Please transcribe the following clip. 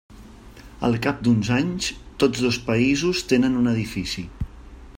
Al cap d'uns anys, tots dos països tenen un edifici.